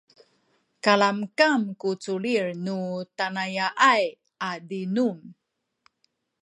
kalamkam ku culil nu tanaya’ay a zinum